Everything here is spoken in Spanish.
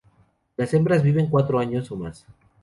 Las hembras viven cuatro años o más.